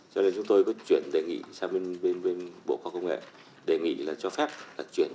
cho nên chúng tôi vẫn chuyển đề nghị sang bên bên bộ khoa công nghệ đề nghị là cho phép là chuyển